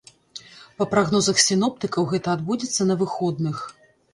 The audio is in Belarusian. Па прагнозах сіноптыкаў, гэта адбудзецца на выходных.